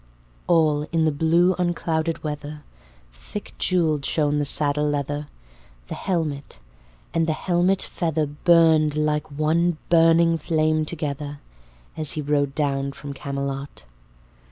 All in the blue unclouded weather, Thickjewelled shone the saddle leather. The helmet, and the helmet feather Burned like one burning flame together, As he rode down from Camelot.